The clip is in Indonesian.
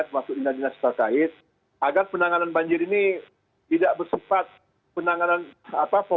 termasuk indah indah sekaligus agar penanganan banjir ini tidak bersempat fokus kepada penanganan penanganan darurat saja